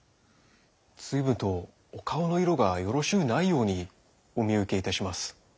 随分とお顔の色がよろしうないようにお見受けいたします。